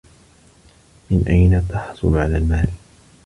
من أين تحصل على المال؟